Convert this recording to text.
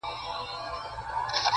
• کوم انسان چي بل انسان په کاڼو ولي,